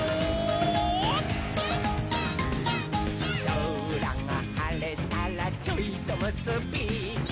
「そらがはれたらちょいとむすび」